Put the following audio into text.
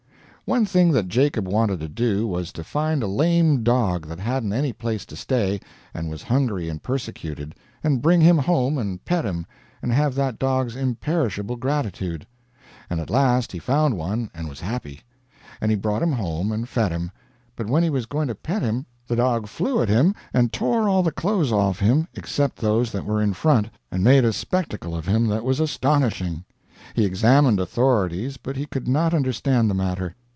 One thing that Jacob wanted to do was to find a lame dog that hadn't any place to stay, and was hungry and persecuted, and bring him home and pet him and have that dog's imperishable gratitude. And at last he found one and was happy; and he brought him home and fed him, but when he was going to pet him the dog flew at him and tore all the clothes off him except those that were in front, and made a spectacle of him that was astonishing. He examined authorities, but he could not understand the matter.